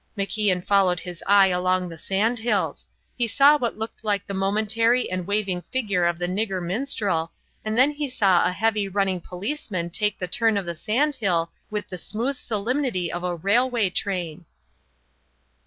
MacIan followed his eye along the sand hills. He saw what looked like the momentary and waving figure of the nigger minstrel, and then he saw a heavy running policeman take the turn of the sand hill with the smooth solemnity of a railway train.